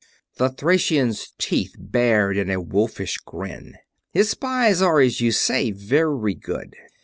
The Thracian's teeth bared in a wolfish grin. "His spies are, as you say, very good.